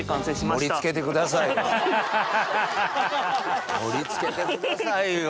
盛り付けてくださいよ！